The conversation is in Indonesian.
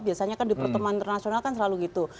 biasanya kan di pertemuan internasional kan selalu gitu